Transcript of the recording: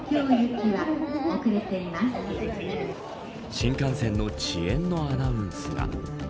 新幹線の遅延のアナウンスが。